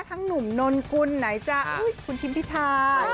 ทั้งหนุ่มคุณไหนจ้ะอุ๊ยคุณทิ้งผิดทา